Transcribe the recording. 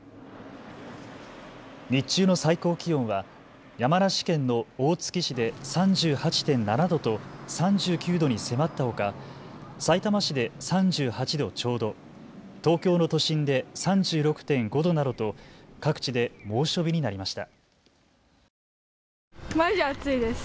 日中の最高気温は山梨県の大月市で３８．７度と３９度に迫ったほか、さいたま市で３８度ちょうど東京の都心で３６．５度などと各地で猛暑日になりました。